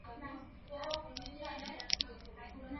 সুনির্দিষ্ট প্রমাণ লাগবে।